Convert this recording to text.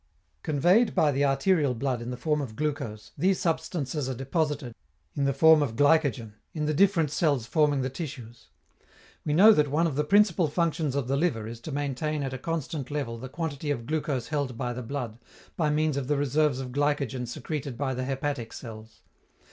Conveyed by the arterial blood in the form of glucose, these substances are deposited, in the form of glycogen, in the different cells forming the tissues. We know that one of the principal functions of the liver is to maintain at a constant level the quantity of glucose held by the blood, by means of the reserves of glycogen secreted by the hepatic cells.